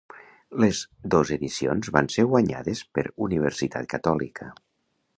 Les dos edicions van ser guanyades per Universitat Catòlica.